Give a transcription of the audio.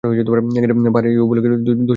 পাহাড়ের এই উপরিভাগ যেন দুশমনদের দখলে চলে না যায়।